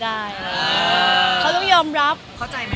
มีปิดฟงปิดไฟแล้วถือเค้กขึ้นมา